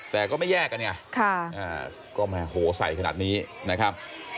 แต่ก็ไม่แยกอ่ะเนี่ยก็มาใส่ขนาดนี้นะครับ